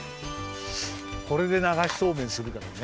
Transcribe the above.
これでながしそうめんするからね。